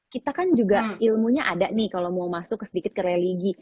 kita kan juga ilmunya ada nih kalau mau masuk sedikit ke religi